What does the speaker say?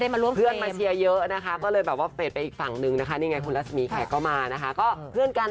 มันไม่มีคำพูดหมายแต่หมายถึงว่าเวลาเราเจอกัน